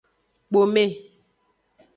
Kpome.